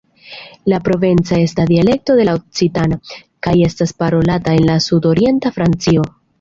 La provenca estas dialekto de la okcitana, kaj estas parolata en la sudorienta Francio.